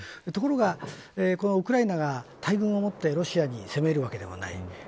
ところが、このウクライナが大軍をもってロシアに攻めるわけではない。